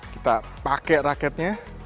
kita pakai raketnya